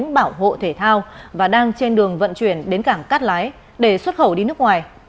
bảo hộ thể thao và đang trên đường vận chuyển đến cảng cát lái để xuất khẩu đi nước ngoài